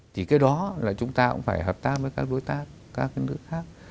thì cái đó là chúng ta cũng phải hợp tác với các đối tác các nước khác